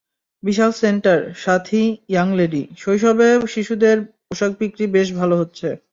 বিশাল centre, Sathi, young lady, শৈশবে শিশুদের পোশাক বিক্রি বেশ ভালো হচ্ছে।